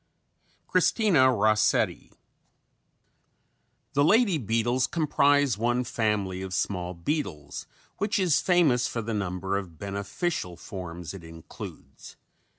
_" CHRISTINA ROSSETTI. The lady beetles comprise one family of small beetles, which is famous for the number of beneficial forms it includes.